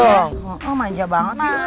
oh manja banget